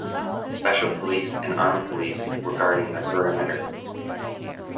Special police and armed police were guarding the perimeter.